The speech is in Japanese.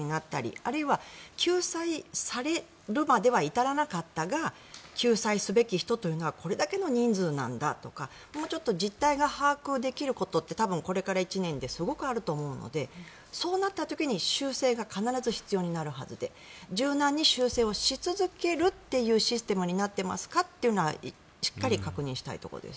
あるいは救済されるまでは至らなかったが救済すべき人というのはこれだけの人数なんだとかもうちょっと実態が把握できることって多分これから１年ですごくあると思うのでそうなった時に修正が必ず必要になるはずで柔軟に修正をし続けるというシステムになっていますかというのはしっかり確認したいところです。